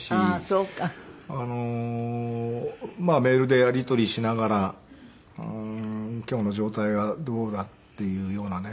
メールでやり取りしながら今日の状態がどうだっていうようなね。